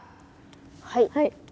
はい。